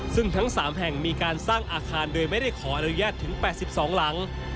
ซึ่งทั้ง๓แห่งมีการสร้างอาคารโดยไม่ได้ขออนุญาตถึง๘๒หลัง